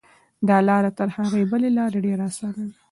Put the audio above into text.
دا لاره تر هغې بلې لارې ډېره اسانه ده.